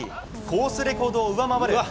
コースレコードを上回る１７